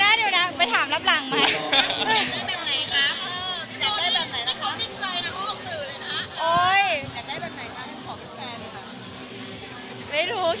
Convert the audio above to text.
อยากได้แบบไหนคะอยากขอเป็นแฟนค่ะ